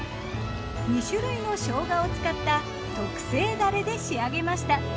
２種類の生姜を使った特製ダレで仕上げました。